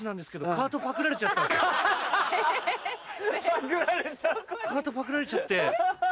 カートパクられちゃって。